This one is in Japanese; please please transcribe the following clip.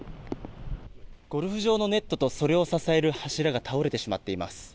ゴルフ場のネットとそれを支える柱が倒れてしまっています。